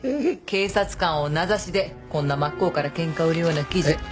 警察官を名指しでこんな真っ向から喧嘩を売るような記事。